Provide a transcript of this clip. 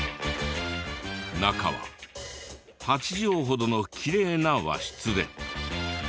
中は８畳ほどのきれいな和室で。